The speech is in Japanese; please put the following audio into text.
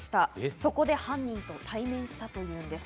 そこで犯人と対面したといいます。